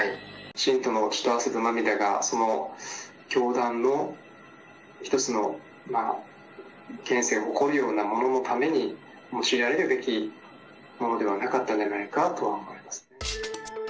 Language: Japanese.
信徒の血と汗と涙が、その教団の１つの権勢を誇るようなもののために、用いられるべきものではなかったんじゃないかなとは思います。